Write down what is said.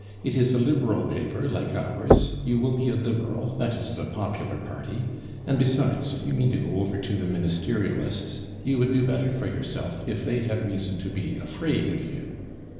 It is a Liberal paper, like ours; you will be a Liberal, that is the popular party; and besides, if you mean to go over to the Ministerialists, you would do better for yourself if they had reason to be afraid of you.